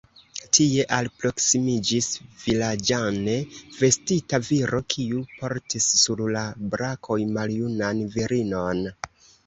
Tie alproksimiĝis vilaĝane vestita viro, kiu portis sur la brakoj maljunan virinon.